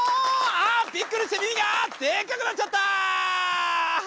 あっびっくりして耳がでっかくなっちゃった！